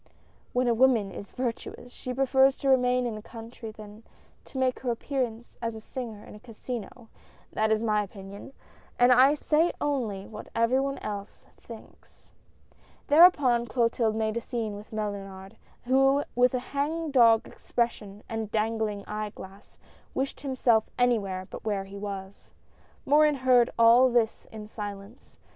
When a woman is virtuous, she prefers to remain in the country than to make her appearance as a singer in a casino — that is my opinion, and I say only what every one else thinks." Thereupon Clotilde made a scene with Mellunard, who with a hang dog expression and dangling eye glass, wished himself any where but where he was. Morin heard all this in silence.